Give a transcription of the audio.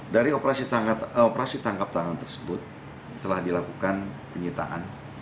dari operasi tangkap tangan tersebut telah dilakukan penyitaan